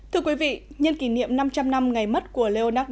thưa quý vị nhân kỷ niệm năm trăm linh năm ngày mất của lê văn thuận